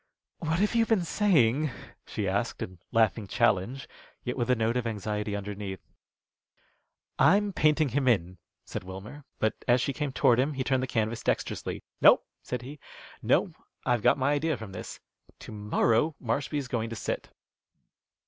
"What have you been saying?" she asked, in laughing challenge, yet with a note of anxiety underneath. "I'm painting him in," said Wilmer; but as she came toward him he turned the canvas dexterously. "No," said he, "no. I've got my idea from this. To morrow Marshby's going to sit."